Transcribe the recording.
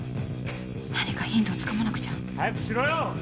何かヒントをつかまなくちゃ早くしろよ！